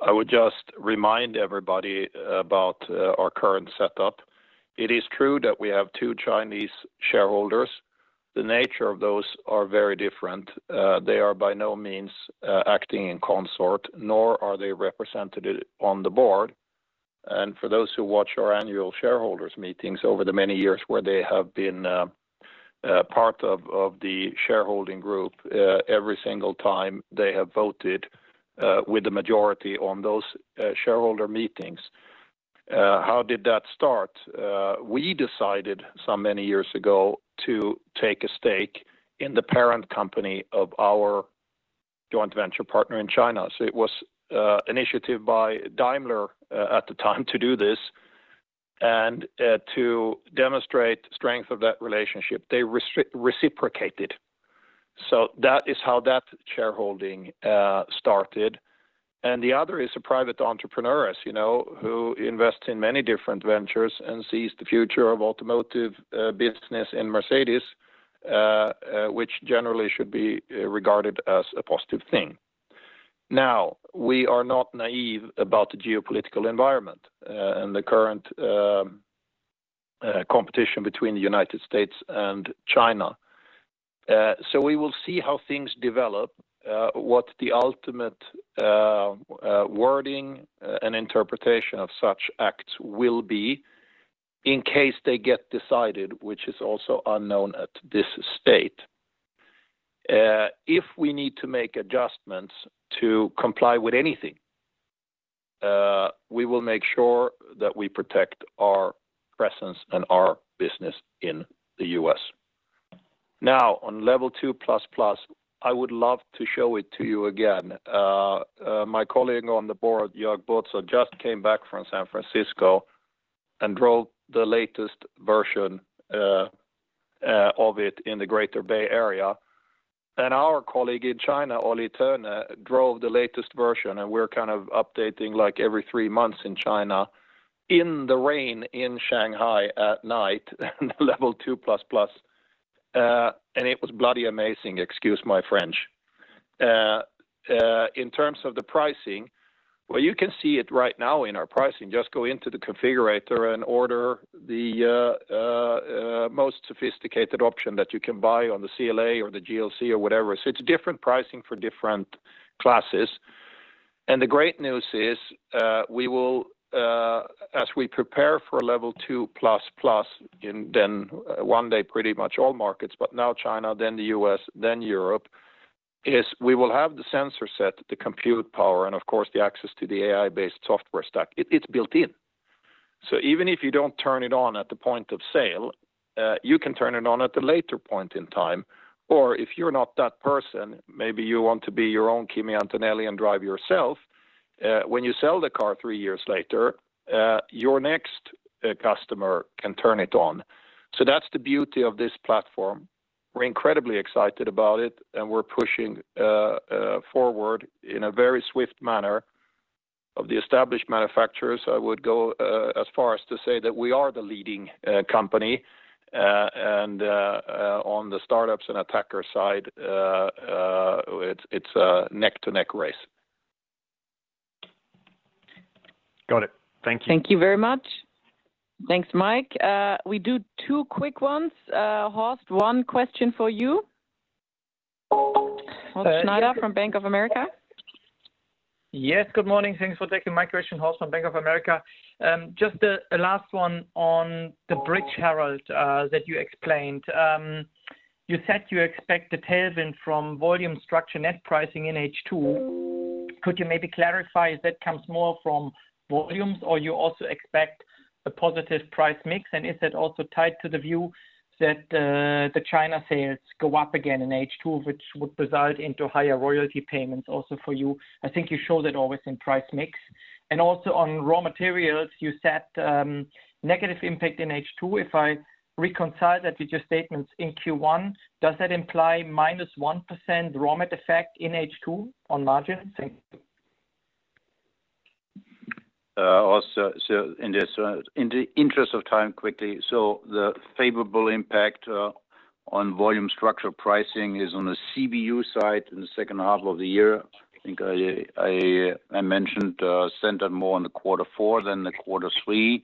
I would just remind everybody about our current setup. It is true that we have two Chinese shareholders. The nature of those are very different. They are by no means acting in consort, nor are they represented on the board. For those who watch our annual shareholders meetings over the many years where they have been part of the shareholding group, every single time they have voted with the majority on those shareholder meetings. How did that start? We decided some many years ago to take a stake in the parent company of our joint venture partner in China. It was an initiative by Daimler at the time to do this, to demonstrate strength of that relationship. They reciprocated. That is how that shareholding started. The other is a private entrepreneur, as you know, who invests in many different ventures and sees the future of automotive business in Mercedes, which generally should be regarded as a positive thing. We are not naive about the geopolitical environment, and the current competition between United States and China. We will see how things develop, what the ultimate wording and interpretation of such acts will be in case they get decided, which is also unknown at this state. If we need to make adjustments to comply with anything, we will make sure that we protect our presence and our business in the U.S. On Level 2 Plus Plus, I would love to show it to you again. My colleague on the board, Jörg Burzer, just came back from San Francisco and drove the latest version of it in the Greater Bay Area. Our colleague in China, Oli Turner, drove the latest version, and we're kind of updating every three months in China, in the rain in Shanghai at night, the Level 2 Plus Plus. It was bloody amazing, excuse my French. In terms of the pricing, you can see it right now in our pricing. Just go into the configurator and order the most sophisticated option that you can buy on the CLA or the GLC or whatever. It's different pricing for different classes. The great news is, as we prepare for Level 2 Plus Plus in then one day pretty much all markets, but now China, then the U.S., then Europe, is we will have the sensor set, the compute power, and of course, the access to the AI-based software stack. It's built-in. Even if you don't turn it on at the point of sale, you can turn it on at a later point in time. Or if you're not that person, maybe you want to be your own Kimi Antonelli and drive yourself, when you sell the car three years later, your next customer can turn it on. That's the beauty of this platform. We're incredibly excited about it, and we're pushing forward in a very swift manner. Of the established manufacturers, I would go as far as to say that we are the leading company, and on the startups and attacker side, it's a neck-to-neck race. Got it. Thank you. Thank you very much. Thanks, Mike. We do two quick ones. Horst, one question for you. Horst Schneider from Bank of America. Yes, good morning. Thanks for taking my question. Horst from Bank of America. Just the last one on the bridge, Harald, that you explained. You said you expect the tailwind from volume structure net pricing in H2. Could you maybe clarify if that comes more from volumes, or you also expect a positive price mix? Is that also tied to the view that the China sales go up again in H2, which would result into higher royalty payments also for you? I think you show that always in price mix. Also on raw materials, you said negative impact in H2. If I reconcile that with your statements in Q1, does that imply -1% raw material effect in H2 on margin? Thank you. Horst, in the interest of time, quickly. The favorable impact on volume structural pricing is on the CBU side in the second half of the year. I think I mentioned centered more on the quarter four than the quarter three.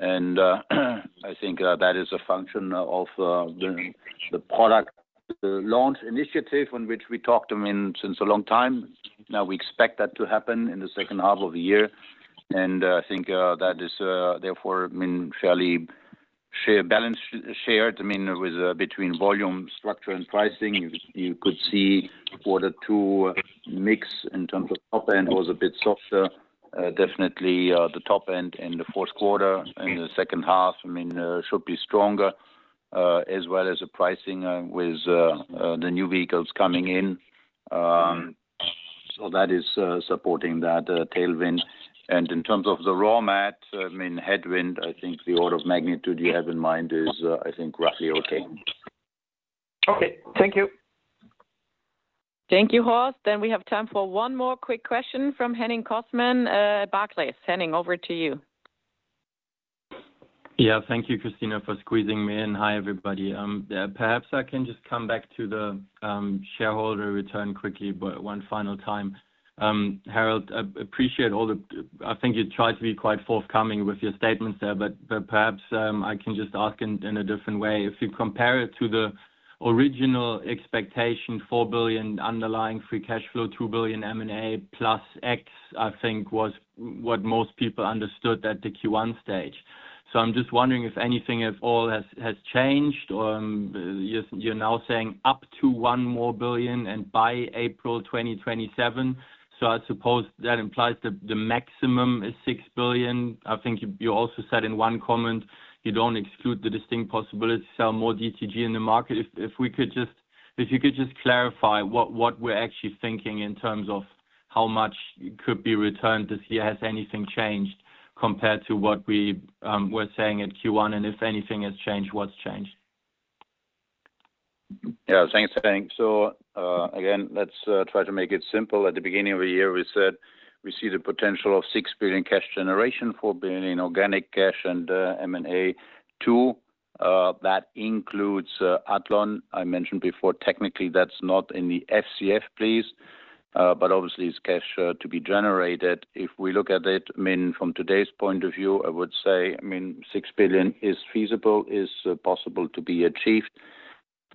I think that is a function of the product launch initiative on which we talked since a long time. Now, we expect that to happen in the second half of the year. I think that is, therefore, fairly balanced shared with between volume structure and pricing. You could see quarter two mix in terms of top end was a bit softer. Definitely, the top end in the fourth quarter and in the second half should be stronger, as well as the pricing with the new vehicles coming in. That is supporting that tailwind. In terms of the raw material headwind, I think the order of magnitude you have in mind is I think roughly okay. Okay. Thank you. Thank you, Horst. We have time for one more quick question from Henning Cosman at Barclays. Henning, over to you. Yeah. Thank you, Christina, for squeezing me in. Hi, everybody. Perhaps I can just come back to the shareholder return quickly, but one final time. Harald, I think you tried to be quite forthcoming with your statements there, but perhaps, I can just ask in a different way. If you compare it to the original expectation, 4 billion underlying free cash flow, 2 billion M&A plus X, I think was what most people understood at the Q1 stage. I'm just wondering if anything at all has changed, or you're now saying up to 1 billion and by April 2027. I suppose that implies the maximum is 6 billion. I think you also said in one comment you don't exclude the distinct possibility to sell more DTG in the market. If you could just clarify what we're actually thinking in terms of how much could be returned this year. Has anything changed compared to what we were saying at Q1? If anything has changed, what's changed? Thanks, Henning. Again, let's try to make it simple. At the beginning of the year, we said we see the potential of 6 billion cash generation, 4 billion organic cash, and M&A 2 billion. That includes Athlon. I mentioned before, technically, that's not in the FCF piece, but obviously, it's cash to be generated. If we look at it from today's point of view, I would say 6 billion is feasible, is possible to be achieved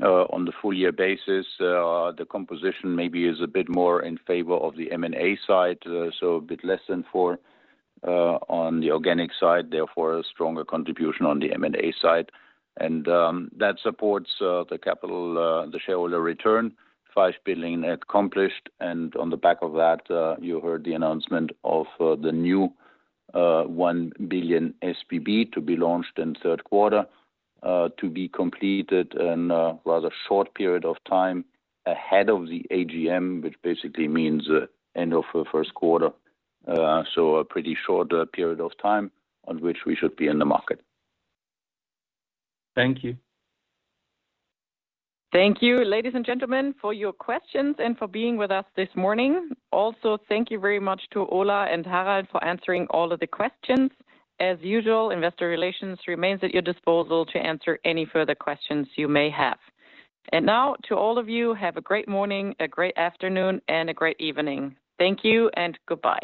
on the full-year basis. The composition maybe is a bit more in favor of the M&A side, a bit less than 4 billion on the organic side, therefore, a stronger contribution on the M&A side. That supports the shareholder return, 5 billion accomplished, On the back of that, you heard the announcement of the new 1 billion SBB to be launched in the third quarter, to be completed in a rather short period of time ahead of the AGM, which basically means end of the first quarter. A pretty short period of time on which we should be in the market. Thank you. Thank you, ladies and gentlemen, for your questions and for being with us this morning. Also, thank you very much to Ola and Harald for answering all of the questions. As usual, investor relations remains at your disposal to answer any further questions you may have. Now, to all of you, have a great morning, a great afternoon, and a great evening. Thank you and goodbye.